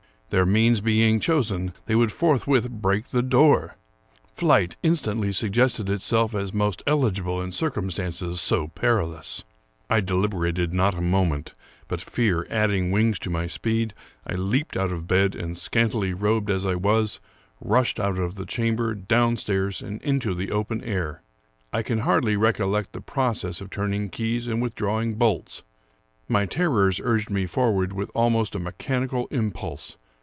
Their means being chosen, they would forthwith break the door. Flight instantly suggested itself as most eligible in circumstances so perilous. I deliberated not a moment; but, fear adding wings to my speed, I leaped out of bed, and, scantily robed 231 American Mystery Stories as I was, rushed out of the chamber, downstairs, and into the open air, I can hardly recollect the process of turn ing keys and withdrawing bolts. My terrors urged me forward with almost a mechanical impulse.